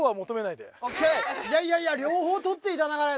いやいやいや両方取っていただかないとこれ。